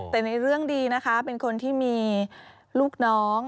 แต่ในเรื่องดีนะคะเป็นคนที่มีลูกน้อง